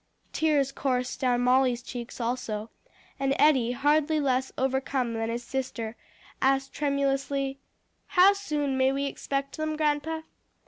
Tears coursed down Molly's cheeks also, and Eddie, hardly less overcome than his sister, asked tremulously, "How soon may we expect them, grandpa?"